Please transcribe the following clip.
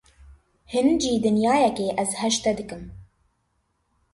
Hincî dinyayekê ez hej te dikim.